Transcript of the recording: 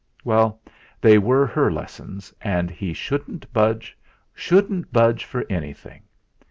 Well, they were her lessons. And he shouldn't budge shouldn't budge for anything.